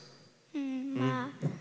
うんまあ。